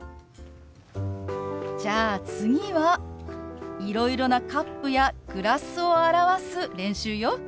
じゃあ次はいろいろなカップやグラスを表す練習よ。